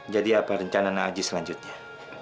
jadi apa rencana najis selanjutnya